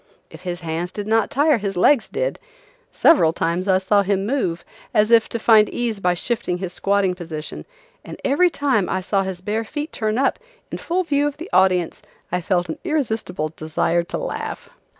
If his hands did not tire his legs did. Several times I saw him move, as if to find ease by shifting his squatting position, and every time I saw his bare feet turn up, in full view of the audience, I felt an irresistible desire to laugh.